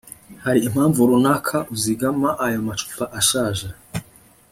hari impamvu runaka uzigama ayo macupa ashaje